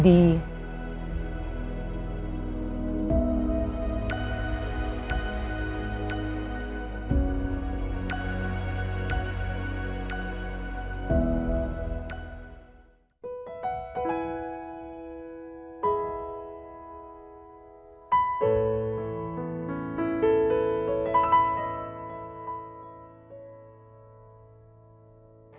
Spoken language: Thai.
หาทีหาวธน